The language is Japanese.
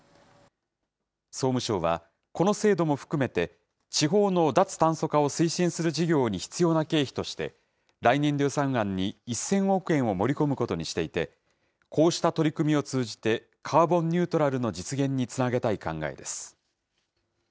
総務省は、この制度も含めて、地方の脱炭素化を推進する事業に必要な経費として、来年度予算案に１０００億円を盛り込むことにしていて、こうした取り組みを通じて、カーボンニュートラルの実現につなげたい考えです。